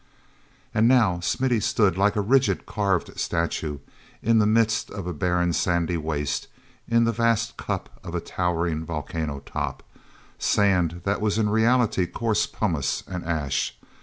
And now Smithy stood like a rigid carven statue in the midst of a barren sandy waste in the vast cup of a towering volcano top—sand that was in reality coarse pumice and ash.